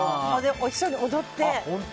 一緒に踊って。